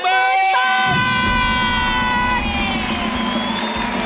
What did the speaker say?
๑บาท